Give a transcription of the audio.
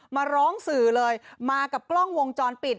มาร้องสื่อเลยมากับกล้องวงจรปิด